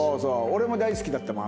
俺も大好きだったもん